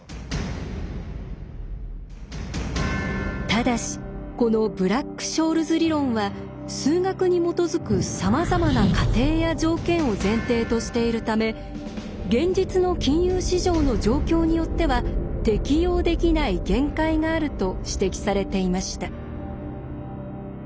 ただしこのブラック・ショールズ理論は数学に基づくさまざまな仮定や条件を前提としているため現実の金融市場の状況によっては適用できない限界があると指摘されていました。